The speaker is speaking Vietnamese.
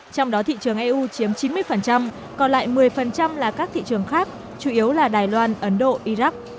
trong đó thị trường eu chiếm chín mươi còn lại một mươi là các thị trường khác chủ yếu là đài loan ấn độ iraq